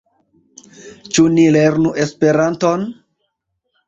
Ĉu ni lernu Esperanton?